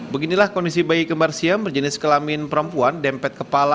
beginilah kondisi bayi kembar siam berjenis kelamin perempuan dempet kepala